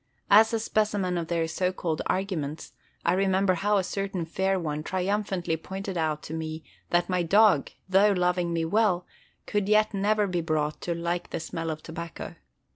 As a specimen of their so called arguments, I remember how a certain fair one triumphantly pointed out to me that my dog, though loving me well, could yet never be brought to like the smell of tobacco.